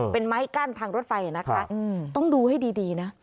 เป็นไม้กั้นทางรถไฟนะคะต้องดูให้ดีนะ